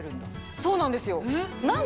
そうなんですよ。